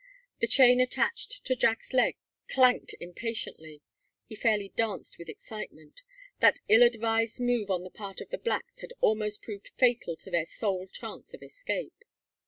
The chain attached to Jack's leg clanked impatiently. He fairly danced with excitement. That ill advised move on the part of the blacks had almost proved fatal to their sole chance of escape.